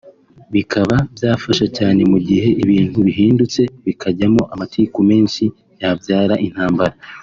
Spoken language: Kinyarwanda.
bikaba byafasha cyane mu gihe ibintu bihindutse bikajyamo amatiku menshi yabyara intambara